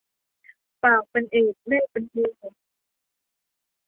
ปากเป็นเอกเลขเป็นโท